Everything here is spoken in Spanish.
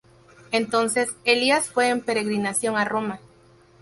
Entonces, Elías fue en peregrinación a Roma.